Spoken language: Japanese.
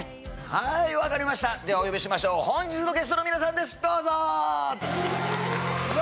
はーいわかりましたではお呼びしましょう本日のゲストの皆さんですどうぞ！